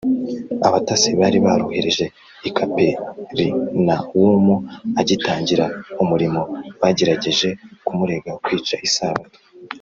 abatasi bari barohereje i kaperinawumu agitangira umurimo, bagerageje kumurega kwica isabato,